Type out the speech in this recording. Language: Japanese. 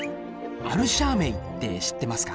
アルシャー盟って知ってますか？